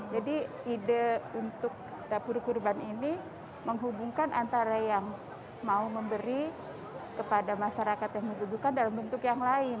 jadi ide untuk dapur kurban ini menghubungkan antara yang mau memberi kepada masyarakat yang membutuhkan dalam bentuk yang lain